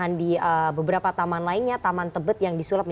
ini apa pak sebetulnya